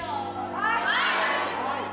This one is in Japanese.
はい！